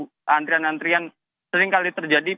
sehingga antrian antrian yang sering kali terjadi